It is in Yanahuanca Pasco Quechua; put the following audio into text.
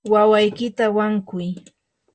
wawaykita wankuy.